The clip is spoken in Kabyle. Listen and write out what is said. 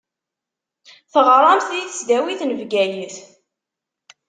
Teɣṛamt di tesdawit n Bgayet.